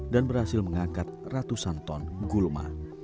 dan berhasil mengangkat ratusan ton gulma